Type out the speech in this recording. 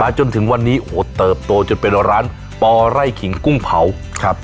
จนถึงวันนี้โอ้โหเติบโตจนเป็นร้านปอไร่ขิงกุ้งเผาครับ